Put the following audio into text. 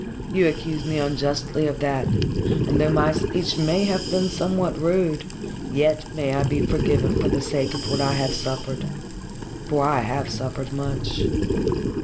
You accuse me unjustly of that, and though my speech may have been somewhat rude, yet may I be forgiven for the sake of what I have suffered. For I have suffered much."